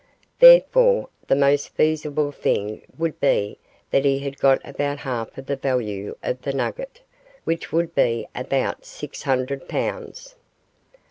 Therefore, the most feasible thing would be that he had got about half of the value of the nugget, which would be about six hundred pounds.